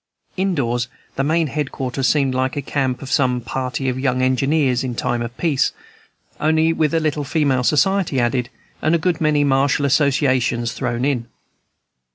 Indoors, the main head quarters seemed like the camp of some party of young engineers in time of peace, only with a little female society added, and a good many martial associations thrown in.